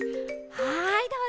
はいどうぞ。